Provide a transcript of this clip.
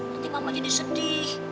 nanti mama jadi sedih